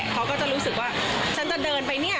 เขาก็จะรู้สึกว่าฉันจะเดินไปเนี่ย